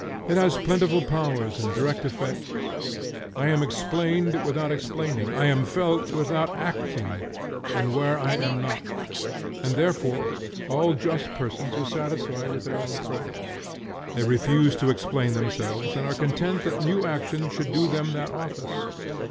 It has plentiful powers and direct effects. I am explained without explaining, I am felt without acting, and where I am not. Therefore all just persons are satisfied with their own praise. They refuse to explain themselves, and are content that new actions should do them that office.